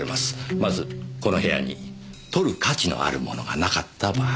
まずこの部屋に盗る価値のあるものがなかった場合。